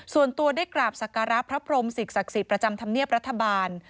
ส่วนตัวได้กราบศักราบพระพรมศิษย์ศักดิ์ศิษย์ประจำธรรเมียบรัฐบาล